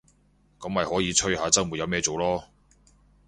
噉咪可以吹下週末有咩做囉